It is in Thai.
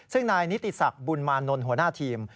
ซึ่งนายนิติศักดิ์บุญมานนท์หัวหน้าทีม